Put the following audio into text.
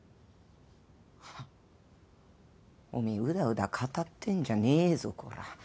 ハッおめえうだうだ語ってんじゃねえぞこら。